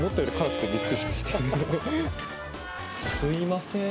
すいません。